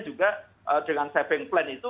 juga dengan saving plan itu